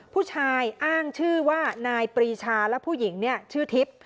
ผู้ชายอ้างชื่อว่านายปรีชาและผู้หญิงชื่อทิพย์